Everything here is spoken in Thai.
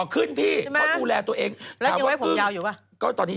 ขึ้นพี่ใช่ไหมเขาดูแลตัวเองแล้วยังไว้ผมยาวอยู่ป่ะก็ตอนนี้